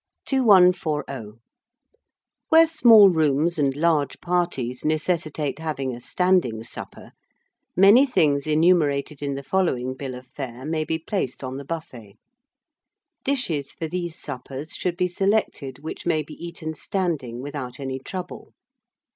2140. Where small rooms and large parties necessitate having a standing supper, many things enumerated in the following bill of fare may be placed on the buffet. Dishes for these suppers should be selected which may be eaten standing without any trouble.